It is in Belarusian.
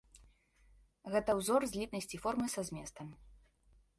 Гэта ўзор злітнасці формы са зместам.